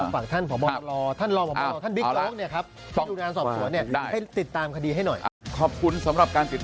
ฝากท่านผ่อบองตะลอท่านลอปะปะลอ